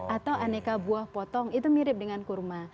atau aneka buah potong itu mirip dengan kurma